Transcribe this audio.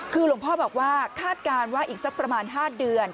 คือหลวงพ่อบอกว่าคาดการณ์ว่าอีกสักประมาณ๕เดือน